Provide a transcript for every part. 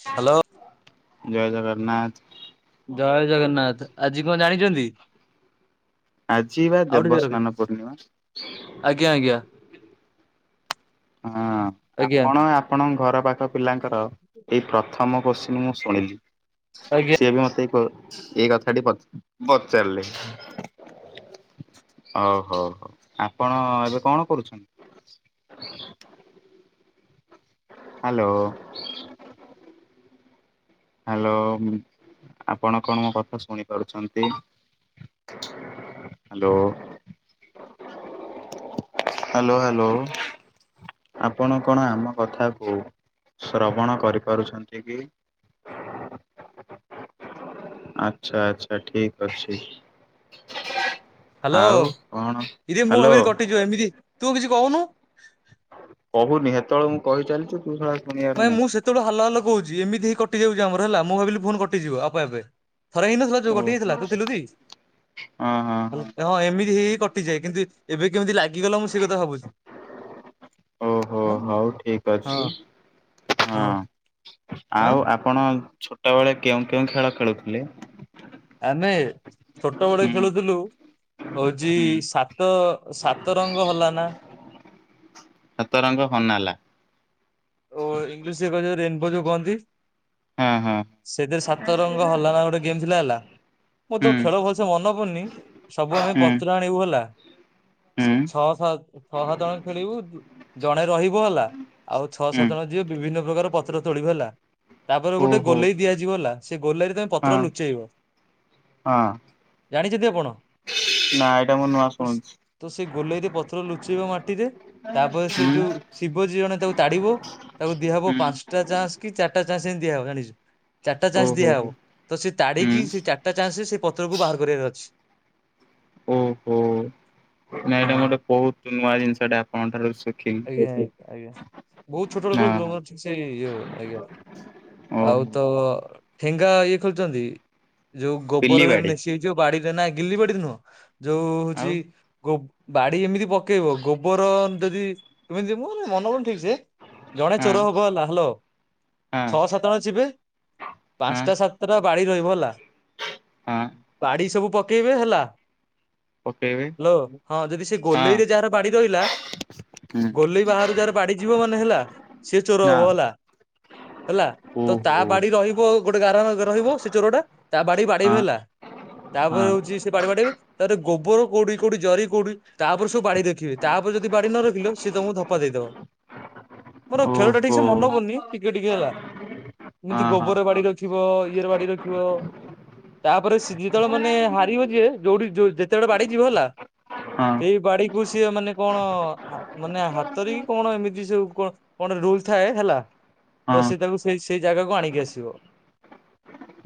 Hello. ଜୟ ଜଗନ୍ନାଥ। ଜୟ ଜଗନ୍ନାଥ। ଆଜି କଣ ଜାଣିଛନ୍ତି? ଆଜି ବା ଆଉ ଟିକେ ରଖିଦେ ଦେବସ୍ନାନ ପୂର୍ଣ୍ଣିମା। ଆଜ୍ଞା ଆଜ୍ଞା। ହଁ ଆଜ୍ଞା ଆପଣ, ଆପଣଙ୍କ ଘର ପାଖ ପିଲାଙ୍କର ଏଇ ପ୍ରଥମ ମୁଁ ଶୁଣିଲି। ଆଜ୍ଞା। ସେ ବି ମତେ ଏ କଥାଟି ପଚାରିଲେ। ଓହୋଃ ହଉ ଆପଣ ଏବେ କଣ କରୁଛନ୍ତି? [inaudible] ହ୍ୟାଲୋ? ହ୍ୟାଲୋ, ଆପଣ କଣ ମୋ କଥା ଶୁଣି ପାରୁଛନ୍ତି? ହ୍ୟାଲୋ? Hello hello? ଆପଣ କଣ ଆମ କଥା କୁ ଶ୍ରବଣ କରିପାରୁଛନ୍ତି କି? ଆଚ୍ଛା ଆଚ୍ଛା ଠିକ ଅଛି। ହ୍ୟାଲୋ ଆଉ କଣ ଇରେ ମୁଁ ହ୍ୟାଲୋ। ଭାବିଲି କଟିଯିବ ଏମିତି ତୁ କିଛି କହୁନୁ? କହୁନି ହେତବେଳୁ ମୁଁ କହି ଚାଲିଛି ତୁ! ! ନାଇଁ ମୁଁ ସେତେବେଳେ ହାଲୋ ହାଲୋ କହୁଛି। ଏମିତି ହେଇ କଟିଯାଉଛି ଆମର ହେଲା, ମୁଁ ଭାବିଲି ଫୋନ କଟିଯିବ ଆପେ ଆପେ। ଥରେ ହେଇନଥିଲା ଯୋଉ କଟି ହେଇଥିଲା ଓହୋ ତୁ ଥିଲୁ ଟି? ହଁ ହଁ ହଁ ଏମିତି ହେଇକ କଟିଯାଏ। କିନ୍ତୁ ଏବେ କେମିତି ଲାଗିଗଲା ମୁଁ ସେ କଥା ଭାବୁଛି। ଓହୋଃ ହଁ ହଉ ଠିକ ଅଛି ହଁ ଆଁ ହଁ ଆଉ ଆପଣ ଛୋଟ ବେଳେ କେଉଁ କେଉଁ ଖେଳ ଖେଳୁଥିଲେ? ଆମେ ଛୋଟ ବେଳେ ହୁଁ ଖେଳୁଥିଲୁ କହୁଛି ହୁଁ ସାତ ସାତ ରଙ୍ଗ ହଲା ନା। ସାତରଙ୍ଗ ହନାଲା। ଓ ଇଂଲିଶ ରେ କଁ ଯୋଉ ରେନବୋ ଯୋଉ କହନ୍ତି। ହଁ ହଁ ସେଇଥେରେ ସାତ ରଙ୍ଗ ହଲାନା ଗୋଟେ ଗେମ୍ ଥିଲା ହେଲା। ମୋର ତ ହୁଁ ଖେଳ ଭଲସେ ମନ ପଡୁନି ସବୁ ଆମେ ହୁଁ ପତ୍ର ଆଣିବୁ ହେଲା ହୁଁ ଛଅ ସ ଛଅ ସାତ ଜଣ ଖେଳିବୁ ଜଣେ ରହିବ ହେଲା। ଆଉ ଛଅ ହୁଁ ସାତ ଜଣ ଯିବେ ବିଭିନ୍ନ ପ୍ରକାର ପତ୍ର ତୋଳିବେ ହେଲା ତାପରେ ଗୋଟେ ଓହୋ ଗୋଲେଇ ଦିଆଯିବ ହେଲା ସେ ଗୋଲେଇ ରେ ତମେ। ହଁ ପତ୍ର ଲୁଚେଇବ ହଁ ଜାଣିଛନ୍ତି ଆପଣ। ନା ଏଇଟା ମୁଁ ନୂଆଁ ତ ଶୁଣୁଛି। ତ ସେ ଗୋଲେଇରେ ପତ୍ର ଲୁଚେଇବ ମାଟିରେ ତାପରେ ସେ ହୁଁ ଯୋଉ ଥି ବ ଯିଏ ଜଣେ ତାକୁ ତାଡିବ ତାକୁ ଦିଆହବ ହୁଁ ପାଂସ ଟା ଚାନ୍ସ କି ଚାରିଟା ଚାନ୍ସ ଏଁତି ଦିଆହବ ଜାଣିଛୁ। ଚାରିଟା ଚାନ୍ସ ଓହୋ ହୋ ଦିଆହବ ତ ସେ ହୁଁ ତାଡିକି ସେ ଚାରିଟା ଚାନ୍ସ ରେ ସେ ପତ୍ର କୁ ବାହାର କରିବାର ଅଛି। ଓ ହୋ। ନାଇଁ ହଁ ଏଇଟା ଗୋଟେ ବହୁତ ନୂଆ ଜିନିଷଟା ଆପଣଙ୍କ ଠାରୁ ସିଖିଲି। ଆଜ୍ଞା ଆଜ୍ଞା ବହୁତ ଛୋଟ ବେଳେ ଖେଳୁ ଥିଲୁ ‌ଆଉ ମୋର ଠିକ୍ ସେ ଇଏ ହଉନି ଆଜ୍ଞା ଆଉ ଓହୋ। ତ ତ ଠେଙ୍ଗା ଇଏ ଖେଳିଛନ୍ତି ଯୋଉ ଗୋବରରେ ପିଲିବାଡି ନେସି ଯୋଉ ବାଡିରେ ନା ଗିଲି ବାଡି ନୁହଁ ଯୋଉ ଆଉ ହଉଛି ଗୋ ବାଡି ଏମିତି ପକେଇବ ଗୋବର ଯଦି ତମେ ଏମତି ମୋର ମନେ ପଡୁନି ଠିକ ସେ। ଜଣେ ହଁ ଚୋର ହବ ହେଲା ହାଲୋ ଛଅ ସାତ ଜଣ ଯିବେ। ପାଂସ ଟା ସାତଟା ଟା ବାଡି ରହିବ ହେଲା। ହଁ। ବାଡ଼ି ସବୁ ପକେଇବେ ହେଲା। ହାଲୋ ହଁ ଯଦି ସେ ଗୋଲେଇ ରେ ଯାହାର ବାଡି ରହିଲା। ଗଲେଇ ବାହାରୁ ଯାହାର ବାଡି ଯିବ ମାନେ ହେଲା ସିଏ ଚୋର ହବ ହେଲା ହେଲା।। ତ ତା ବାଡି ରହିବ ଗୋଟେ ଗାର ରହିବ ସେ ଚୋର ଟା ତା ବାଡିକି ବାଡେଇ ବୁ ହେଲା। ତାପରେ ହଉଛି ସେ ବିଡି ବାଡେଇବେ ତାପରେ ଗୋବର କୋଉଠି, କୋଉଠି, ଜରି କୋଉଠି। ତାପରେ ସବୁ ବାଡି ରଖିବେ ତାପରେ ଯଦି ବାଡି ନ ରଖିଲ ସିଏ ତମକୁ ଧପା ଦେଇଦବ। ମୋର ଆଉ ଖେଳ ଟା ଠିକ ସେ ମନେ ପଡୁନି ଟିକେ, ଟିକେ ହେଲା। ଏମିତି ହଁ ହଁ ଗୋବର ରେ ହଁ ବାଡି ରଖିବ ଇଏ ରେ ବାଡି ରଖିବ। ତାପରେ ସି ଯେତେବେଳେ ମାନେ ହାରିବ ଯିଏ ଯୋଉଠି ଯେତେ ବାଟ ବାଡେଇ ଥିବ ହେଲା। ହଁ ସେଇ ବାଡିକୁ ସିଏ ମାନେ କଣ ହା ମାନେ ହାତରେ କି କଣ ଏମିତି। ତି ସବୁ କଣ କଣ ରୁଲ ଥାଏ ହେଲା। ତ ହଁ ସେ ତାକୁ ସେ ସେଇ ଜାଗାକୁ ଆଣିକି ଆସିବ।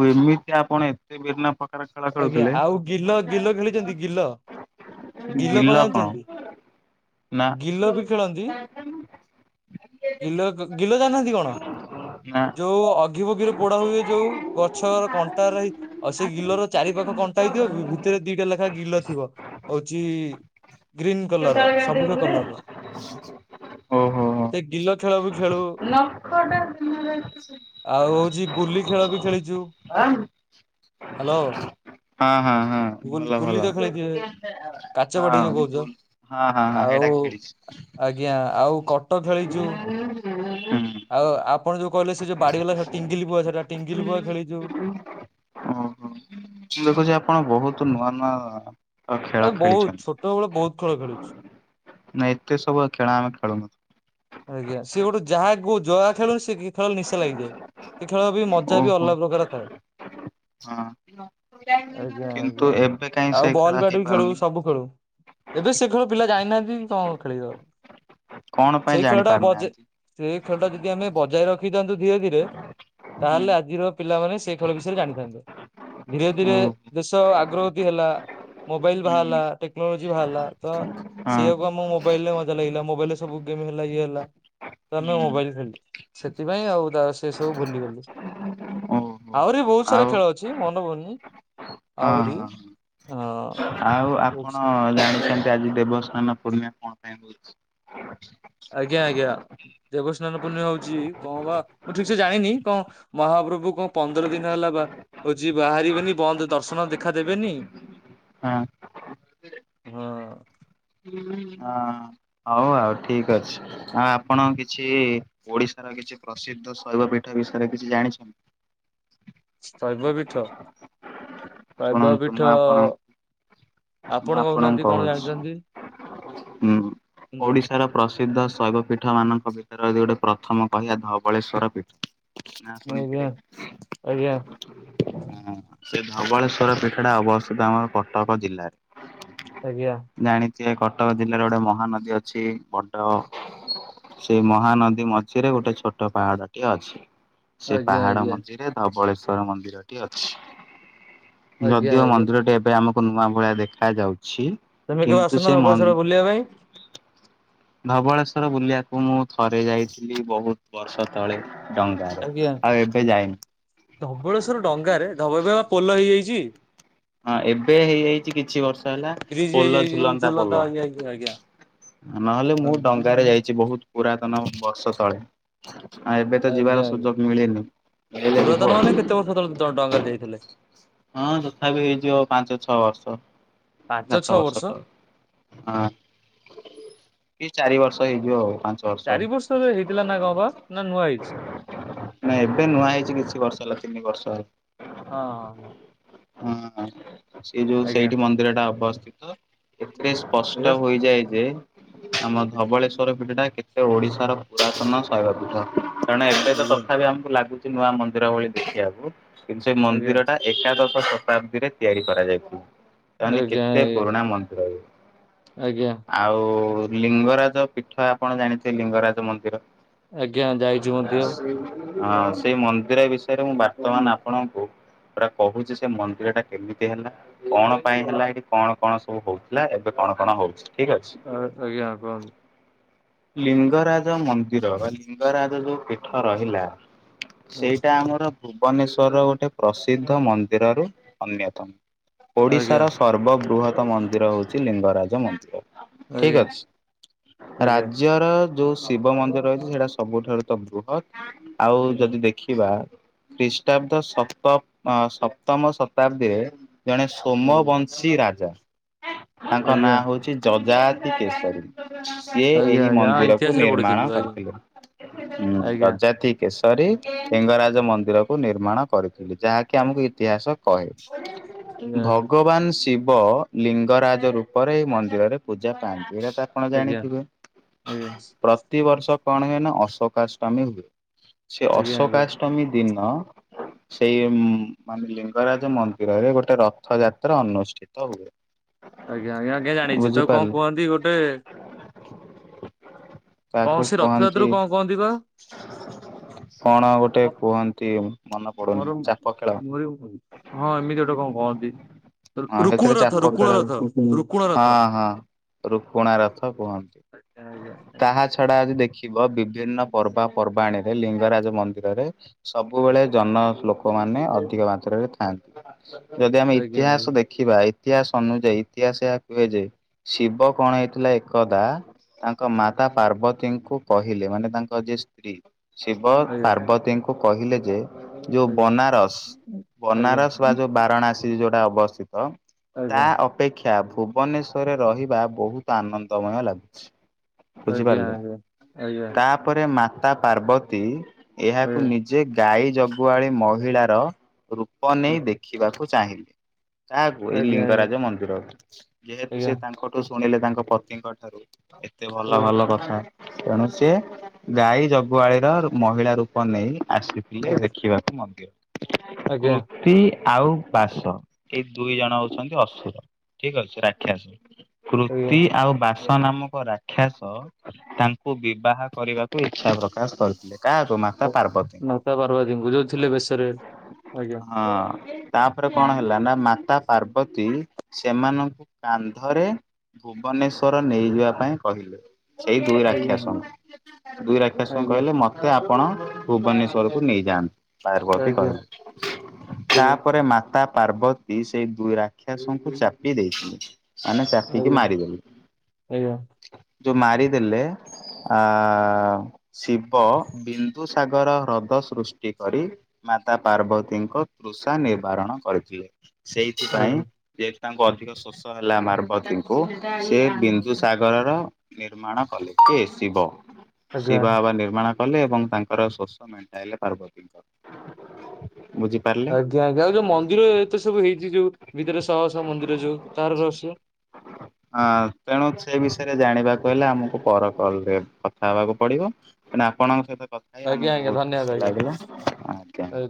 ଓ ଏମିତି ଆପଣ ଏତେ ଭିନ୍ନ ପ୍ରକାର ଖେଳ ଆଜ୍ଞା ଖେଳୁଥିଲେ। ଆଉ ଗିଲ ଗିଲ ଖେଳିଛନ୍ତି ଗିଲ। ଗିଲ କଁ ଜାଣିଛନ୍ତି ନା ଗିଲ ବି ଖେଳନ୍ତି। ଗିଲ ଗିଲ ଜାନାହାନ୍ତି କଣ। ନା ଯୋଉ ଅଗି ଫଗିରେ ପୋଡା ହୁଏ ଯୋଉ ଗଛର କଣ୍ଟା ରହି। ଆଉ ସେ ଗିଲର ଚାରି ପାଖ କଣ୍ଟା ହେଇଥିବ ଭି ଭିତରେ ଦିଟା ଲେଖାଁ ଗିଲ ଥିବ ହଉଛି। ଗ୍ରୀନ୍ କଲର ର ସବୁଜ କଲର ର। ହ ସେ ଗିଲ ଖେଳ ବି ଖେଳୁ। [unintelligible] ଆଉ ହଉଛି ଗୁଲି ଖେଳ ବି ଖେଳିଛୁ। ଅନ। ହାଲୋ। ହଁ ହଁ ହଁ। ଗୁଲ୍ ଭଲ ଭଲ ଗୁଲି ତ ଖେଳିଥିବେ କାଚ ବାଟି ହଁ ଯୋଉ କହୁଛ ବୁଲ ହଁ ହଁ ହଁ ଏଇଟା ଆଉ। ଖେଳିଛି ଆଜ୍ଞା ଆଉ କଟ ଖେଳିଛୁ। ହୁଁ। ଆଉ ଆପଣ ଯୋଉ କହିଲେ ସେ ଯୋଉ ବାଡ଼ିବାଲା ସେ ଟିଙ୍ଗିଲି ବୁଆ ସେଟା ଟିଙ୍ଗିଲି ବୁଆ ଖେଳି ଯୋଉ ଓହୋ ମୁଁ ଦେଖୁଛି ଆପଣ ବହୁତ ନୂଆ ନୂଆ ଖେଳ ଏ ଖେଳିଛନ୍ତି ବହୁତ ଛୋଟ ବେଳେ ବହୁତ ଖେଳ ଖେଳିଛୁ। ନାଇଁ ଏତେ ସବୁ ଖେଳ ଆମେ ଖେଳୁନୁ। ଆଜ୍ଞା ସିଏ ଗୋଟେ ଯାହା କୁହ ଯଆ ଖେଳୁନ ସେ ଖେଳରେ ନିଶା ଲାଗିଯାଏ। ସେ ଖେଳ ବି ମଜା ବି ଓହୋ ଅଲଗା ପ୍ରକାର ଥାଏ। ହଁ। ଆଜ୍ଞା କିନ୍ତୁ ଏବେ କାଇଁ ସେ ଖେଳ ହେଇପାରୁନି? ବୁ ଖେଳୁ। ଏବେ ସେ ଖେଳ ପିଲା ଜାଇନାହାନ୍ତି କଣ ଖେଳିବ ଆଉ। କଣ ପାଇଁ ସେଇ ଖେଳ ଜାଣି ଟା ବଜ ପାରୁନାହାନ୍ତି। ସେଇ ଖେଳ ଟା ଯଦି ଆମେ ବଜାୟ ରଖିଥାନ୍ତୁ ଧୀରେ ଧୀରେ ହୁଁ ତାହେଲେ ଆଜିର ପିଲାମାନେ ସେ ଖେଳ ବିଷୟରେ ଜାଣିଥାନ୍ତୁ। ଧୀରେ ଧୀରେ ଓହୋ ଦେଶ ଆଗ୍ରଗତି ହେଲା। ମୋବାଇଲ ବାହାରିଲା ହୁଁ ଟେକ୍ନୋଲୋଜି ବାହାରିଲା ତ ହଁ ସେଇଆକୁ ଆମକୁ ମୋବାଇଲ ରେ ମଜା ଲାଗିଲା ମୋବାଇଲ ରେ ସବୁ ଗେମ ହେଲା ଇଏ ହେଲା। ତ ଆମେ ହୁଁ ମୋବାଇଲ ଖେଳିଲୁ ସେଥିପାଇଁ ଆଉ ତ ସେ ସବୁ ଭୁଲି ଗଲୁ। ଓହୋ। ଆହୁରି ବି ବହୁତ ସାରା ଆଉ ଖେଳ ଅଛି ମନପଡୁନି। ହଁ ଆହୁରି ହଁ ହଁ ଅଛି ଆ ଡାଲି ଦେବସ୍ନାନ ପୂର୍ଣ୍ଣିମା କଣ ପାଇଁ ହଉଛି? ଆଜ୍ଞା ଆଜ୍ଞା। ଦେବସ୍ନାନ ପୂର୍ଣ୍ଣିମା ହଉଛି କଣ ବା ମୁଁ ଠିକ୍ ସେ ଜାଣିନି କଣ? ମହାପ୍ରଭୁ କଣ ପନ୍ଦର ଦିନ ହେଲା ବା ହଉଛି ବାହାରିବେନି ବନ୍ଦ ଦର୍ଶନ ଦେଖା ଦେବେନି ହାଁ। ହଁ। ହଁ। ହଉ ଠିକ୍ ଅଛି। ଆ ଆପଣ କିଛି ଓଡ଼ିଶାର କିଛି ପ୍ରସିଦ୍ଧ ଶୈବ ପୀଠ ବିଷୟରେ କିଛି ଜାଣିଛନ୍ତି? ଶୈବ ପୀଠ ଶୈବ ଶୁଣନ୍ତୁ ମୁଁ ପୀଠ ଆପଣ ମୁଁ ଆପଣ ଆପଣଙ୍କୁ କହୁନାହାନ୍ତି କଣ କହୁଛି ଜାଣିଛନ୍ତି ଉ କିନ୍ତୁ? ଓଡ଼ିଶାର ପ୍ରସିଦ୍ଧ ଶୈବ ପୀଠ ମାନଙ୍କ ଭିତରେ ଯଦି ଗୋଟେ ପ୍ରଥମ କହିବା ଧବଳେଶ୍ୱର ପୀଠ। ନାଁ ଆଜ୍ଞା ଶୁଣିଥିବେ ଆଜ୍ଞା ହଁ। ସେ ଧବଳେଶ୍ଵର ପିଠ ଟା ଅବସ୍ଥିତ ଆମ କଟକ ଜିଲ୍ଲାରେ। ଆଜ୍ଞା। ଜାଣିଥିବେ କଟକ ଜିଲ୍ଲାରେ ଗୋଟେ ମହାନଦୀ ଅଛି ବଡ ସେଇ ମହାନଦୀ ମଝିରେ ଗୋଟେ ଛୋଟ ପାହାଡ଼ ଟିଏ ଅଛି ସେ ଆଜ୍ଞା ପାହାଡ଼ ଆଜ୍ଞା ମଝିରେ ଧବଳେଶ୍ଵର ମନ୍ଦିରଟି ଅଛି ଆଜ୍ଞା ଯଦିଓ ଆଜ୍ଞା ମନ୍ଦିରଟି ଏବେ ଆମ କୁ ନୂଆ ଭଳିଆ ଦେଖା ଯାଉଛି ତମେ କେବେ କିନ୍ତୁ ଆସୁନ ସେ ଧବଳେଶ୍ୱର ମନ ବୁଲିବା ପାଇଁ ଧବଳେଶ୍ଵର ବୁଲିବାକୁ ମୁଁ ଥରେ ଯାଇଥିଲି ବହୁତ ବର୍ଷ ତଳେ। ଡଙ୍ଗା ରେ ଆଉ ଏବେ ଯାଇନି। ଧବଳେଶ୍ଵର ଡଙ୍ଗାରେ ଧବଳେଶ୍ଵର ପୋଲ ହେଇଯାଇଛି। ହଁ ଏବେ ହେଇଯାଇଛି କିଛି ବର୍ଷ ହେଲା ବ୍ରିଜ ପୋଲ ହେଇଯାଇଛି ଯୋଉ ଝୁଲନ୍ତା ପୋଲ। ଆଜ୍ଞା ଆଜ୍ଞା ଆଜ୍ଞା। ନହେଲେ ମୁଁ ଡଙ୍ଗାରେ ଯାଇଛି ବହୁତ ପୁରାତନ ବର୍ଷ ତଳେ। ଆ ଏବେ ତ ଆଜ୍ଞା ଯିବାର ଆଜ୍ଞା ସୁଯୋଗ ମିଳିନି ମିଳିଲେ ଯିବୁ ଆଉ। ତ ଡଙ୍ଗାରେ ଯାଇଥିଲେ। ହଁ ଯଥା ବିି ହେଇଯିବ ପାଞ୍ଚ ଛଅ ବର୍ଷ ପାଞ୍ଚ ସାତ ଛଅ ବର୍ଷ ତଳେ। ହଁ କି ଚାରି ବର୍ଷ ହେଇଯିବ ଆଉ ପାଞ୍ଚ ଚାରି ବର୍ଷ ରେ ହେଇଥିଲା ନା କ ବା ନା ନୂଆ ହେଇଛି? ନାଇଁ ଏବେ ନୂଆ ହେଇଛି କିଛି ବର୍ଷ ହେଲା ତିନି ବର୍ଷ ହେଲା। ହଁ ହଁ। ହଁ ସେ ଯୋଉ ଆଜ୍ଞା ସେଇଠି ମନ୍ଦିର ଟା ଅବସ୍ଥିତ। ଏଥିରେ ଏଇଆ ସ୍ପଷ୍ଟ ହୋଇଯାଏ ଯେ ଆମ ଧବଳେଶ୍ଵର ପୀଠ ଟା କେତେ ଓଡିଶାର ପୁରାତନ ଶୈବ ପୀଠ। କାରଣ ଏବେ ତ ଆଜ୍ଞା ତଥା ବିି ଆମକୁ ଲାଗୁଛି ନୂଆ ମନ୍ଦିର ଭଳି ଦେଖିବାକୁ କିନ୍ତୁ ସେ ଆଜ୍ଞା। ମନ୍ଦିର ଏକାଦଶ ଶତାବ୍ଦୀରେ ତିଆରି କରାଯାଇଛି। ଆଜ୍ଞା ଆଜ୍ଞା। ତା ମନ୍ତ ରେ ଆଜ୍ଞା। ଆଉ ଲିଙ୍ଗରାଜ ପୀଠ ଆପଣ ଜାଣିଥିବେ ଲିଙ୍ଗରାଜ ମନ୍ଦିର? ଆଜ୍ଞା ଯାଇଛୁ ମଧ୍ୟ। ହଁ ସେଇ ମନ୍ଦିର ବିଷୟରେ ମୁଁ ବାର୍ତ୍ତମାନ ଆ ଆପଣଙ୍କୁ ପୁରା କହୁଛି ସେ ମନ୍ଦିର ଟା କେମିତି ହେଲା? କଣ ପାଇଁ ହେଲା ହେଠି କଣ କଣ ସବୁ ହଉଥିଲା ଏବେ କଣ କଣ ହଉଛି? ଠିକ ଅଛି। ଆ ଆଜ୍ଞା କୁହନ୍ତୁ। ଲିଙ୍ଗରାଜ ମନ୍ଦିର ବା ଲିଙ୍ଗରାଜ ଯୋଉ ପୀଠ ରହିଲା। ସେଇଟା ଆମର ଭୁବନେଶ୍ଵରର ଗୋଟେ ପ୍ରସିଦ୍ଧ ମନ୍ଦିରରୁ ଅନ୍ୟତମ। ଆଜ୍ଞା ଓଡ଼ିଶାର ସର୍ବବୃହତ ମନ୍ଦିର ହଉଛି ଲିଙ୍ଗରାଜ ମନ୍ଦିର। ଠିକ୍ ଆଜ୍ଞା ଅଛି ଆଜ୍ଞା। ରାଜ୍ୟର ଯୋଉ ଶିବ ମନ୍ଦିର ରହିଛି ସେଇଟା ସବୁଠାରୁ ତ ବୃହତ୍ ଆଉ ଆଜ୍ଞା ଯଦି ଦେଖି ଦେଖିବା ଖ୍ରୀଷ୍ଟାବ୍ଦ୍ ସପ୍ତ-ସପ୍ତମ ଶତାବ୍ଦୀରେ ଜଣେ ଆଜ୍ଞା ତୋମବଂଶୀ ରାଜା ଆଜ୍ଞା ତାଙ୍କ ନାଁ ଆଜ୍ଞା ହଉଛି ଯଜାତି କେଶରୀ। ସିଏ ଏହି ଆଜ୍ଞା ହଁ ମନ୍ଦିରକୁୁ ଇତିହାସରେ ନିର୍ମାଣ ପଢିଥିଲୁ ଆଜ୍ଞା କରିଥିଲେ ଉଁ ଆଜ୍ଞା। ଜଜାତି କେଶରୀ ଲିଙ୍ଗରାଜ ମନ୍ଦିରକୁ ନିର୍ମାଣ କରିଥିଲି ଯାହାକି ଆମକୁ ଇତିହାସ। କହେ ଆଜ୍ଞା ଆଜ୍ଞା ଭଗବାନ୍ ଶିବ ଲିଙ୍ଗରାଜ ରୂପରେ ଏଇ ମନ୍ଦିରରେ ପୂଜା ପାଆନ୍ତି ଏରା ତାର ଆପଣ ଆଜ୍ଞା ଜାଣିଥିବେ ଆଜ୍ଞା ପ୍ରତିିବର୍ଷ କଣ ହୁଏ ନା ଅଶୋକଷ୍ଟମୀ ହୁଏ। ସେ ଆଜ୍ଞା। ଆଜ୍ଞା ଆଜ୍ଞା ଅଶୋକଷ୍ଟମୀ ଦିନ ସେଇ ମାନେ ଲିଙ୍ଗରାଜ ମନ୍ଦିରରେ ଗୋଟେ ରଥ ଯାତ୍ରା ଅନୁଷ୍ଠିତ ହୁଏ। ଆଜ୍ଞା ଆଜ୍ଞା ଆଜ୍ଞା ଜାଣିଛୁତ କଣ ବୁଝିପାରିଲେ କୁହନ୍ତି ଗୋଟେ କଣ ତାକୁ ସେ କୁହନ୍ତି ରଥଯାତ୍ରାକୁ କଣ କହନ୍ତି ବା? କଣ ଆଉ ଗୋଟେ କୁହନ୍ତି ମନେ ମୋର ପଡୁନି ଚାପ ଖେଳ ମୋର ହଁ ଏମିତି ଗୋଟେ କଣ କହନ୍ତି ହଁ ରୁକୁ ସେଥିରେ ରଥ ଚାପ ଖେଳ ରୁକୁଣ ରଥ ରୁକୁଣ ହଁ ରଥ ହଁ ରୁକୁଣା ରଥ କୁହନ୍ତି ଆଜ୍ଞା ଆଜ୍ଞା ତାହା ତା ଛଡ଼ା ଆଜି ଦେଖିବ ବିଭିନ୍ନ ପର୍ବାପର୍ବାଣୀ ରେ ଲିଙ୍ଗରାଜ ମନ୍ଦିରରେ ସବୁବେଳେ ଜନ ଲୋକ ମାନେ ଅ ଚିକେ ମାତ୍ରାରେ ଥାଆନ୍ତି ଯଦି ଆମେ ଆଜ୍ଞା ଇତିହାସ ଦେଖି ଦେଖିବା ଇତିହାସ ଅନୁଯାୟୀ ଇତିହାସ ଏହା କୁହେ ଯେ ଶିବ କଣ ହେଇଥିଲା ଏକଦା ତାଙ୍କ ମାତା ପାର୍ବତୀଙ୍କୁ କହିଲେ ମାନେ ତାଙ୍କ ଯିଏ ସ୍ତ୍ରୀ ଶିବ ଆଜ୍ଞା ପାର୍ବତୀଙ୍କୁ କହିଲେ ଯେ ଯୋଉ ଆଜ୍ଞା ବନାରସ୍ ଆଜ୍ଞା ଆଜ୍ଞା ବନାରସ ବା ଯୋଉ ବାରାଣାସୀ ଯୋଉଟା ଅବସ୍ଥିତ ତା ଆଜ୍ଞା। ଅ ଅପେକ୍ଷା ଭୁବନେଶ୍ଵରରେ ରହିବା ବହୁତ୍ ଆନନ୍ଦମୟ ଲାଗୁଛି। ଆଜ୍ଞା ବୁଝିପାରିଲୁ ଆଜ୍ଞା ଆଜ୍ଞା ତାପରେ ମାତା ପାର୍ବତୀ ଏହାକୁ ନି ଯେ ଗାଈ ଜଗୁଆଳି ମହିଳାର ରୂପ ନେଇ ଦେଖିବାକୁ ଚାହିଁଲେ। କାହାକୁ ଏଇ ଆଜ୍ଞା ଆଜ୍ଞା ଲିଙ୍ଗରାଜ ମନ୍ଦିର ଯେହେତୁ ଆଜ୍ଞା ସେ ତାଙ୍କଠୁ ତୁ ଶୁଣିଲେ ତାଙ୍କ ପତିଙ୍କ ଠାରୁ ଏତେ ଭଲ ଆଜ୍ଞା ଭଲ କଥା। ତେଣୁ ସେ ଗାଈ ଜଗୁଆଳି ର ମହିଳା ରୂପ ନେଇ ଆସିଥିଲେ ଆଜ୍ଞା ଦେଖିବାକୁ। ମଧ୍ୟ ଆଜ୍ଞା ଆଜ୍ଞା କୃତି ଆଉ ବାସ ଏଇ ଦୁଇ ଜଣ ହଉଛନ୍ତି ଅସୁର ଠିକ୍ ଅଛି ରାକ୍ଷାସ। ଆଜ୍ଞା କୃତି ଆଉ ବାସ ସ ନାମକ ରାକ୍ଷାସ ତାଙ୍କୁ ବିବାହ କରିବାକୁ ଇଚ୍ଛା ପ୍ରକାଶ କରିଥିଲେ। କାହାକୁ ମାତା ପାର୍ବତୀଙ୍କୁ। [unintelligible] ଯୋଉ ଥିଲେ ବେଶରେ ଆଜ୍ଞା ହଁ ତାପରେ କଣ ହୁଁ, ହେଲା ନା ମାତା ପାର୍ବତୀ ସେମାନଙ୍କୁ କାନ୍ଧରେ ଭୁବନେଶ୍ଵର ନେଇଯିବା ପାଇଁ କହିଲେ। ସେଇ ଦୁଇ ଆଜ୍ଞା ରାକ୍ଷସ ଆଜ୍ଞା ଦୁଇ ରାକ୍ଷାସନ ଆଜ୍ଞା କହିଲେ ମ ମତେ ଆପଣ ଭୁବନେଶ୍ଵରକୁୁ ନେଇଯାଆନ୍ତୁ ପାର୍ବତୀ ଆଜ୍ଞା କହିଲେ ଆଜ୍ଞା ତାପରେ ମାତା ପାର୍ବତୀ ସେଇ ଦୁଇ ରାକ୍ଷସଙ୍କୁ ଚାପି ଦେଇଥିଲେ। ମନେ ଆଜ୍ଞା ଚାପିକି ଆଜ୍ଞା ମାରିଦେଲି ଯୋଉ ମାରିଦେଲେ ଆଃ ଶିବ ବିନ୍ଦୁ ସାଗର ହ୍ରଦ ସୃଷ୍ଟି କରି ମାତା ପାର୍ବ ତିଙ୍କ ତୃଷା ନିବାରଣ କରିଥିଲେ ସେଇଥିପାଇଁ ଆଜ୍ଞା ଯେ ତାଙ୍କୁ ଅଧିକ ଶୋଷ ହେଲା ମାର୍ବତୀଙ୍କୁ ସେ ବିନ୍ଦୁ ସାଗରର ନିର୍ମାଣ କଲେ କିଏ ଶିବ। ଆଜ୍ଞା ଶିବା ଆବା ନିର୍ମାଣ କଲେ ଏବଂ ତାଙ୍କର ଶୋଷ ମେଣ୍ଟାଇଲେ ପାର୍ବତୀଙ୍କର। ବୁଝି ଆଜ୍ଞା ଆଜ୍ଞା ଆଉ ଯୋଉ ମନ୍ଦିର ଏତ ସବୁ ହେଇଛି ଯୋଉ ଭିତରେ ଶହ ଶହ ମନ୍ଦିର ଯୋଉ ତାର ରହସ୍ୟ? ହଁ ହଁ ତେଣୁ ସେ ବିଷୟରେ ଜାଣିବାକୁ ହେଲେ ଆମକୁ ପର କଲରେ କଥା ହେବାକୁ ପଡିବ। ମାନେ ଆପଣଙ୍କ ସହିତ କଥା ହେଇ ଆଜ୍ଞା ଆମକୁ ଆଜ୍ଞା ବହୁତ ଧନ୍ୟବାଦ ଖୁସି ଆଜ୍ଞା ଲାଗିଲା ଆଜ୍ଞା।